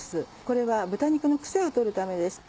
これは豚肉の癖を取るためです。